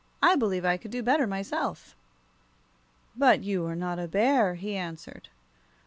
"I believe I could do better myself." "But you are not a bear," he answered.